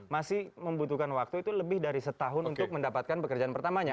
masih membutuhkan waktu itu lebih dari setahun untuk mendapatkan pekerjaan pertamanya